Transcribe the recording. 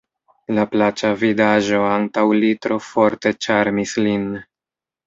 La plaĉa vidaĵo antaŭ li tro forte ĉarmis lin.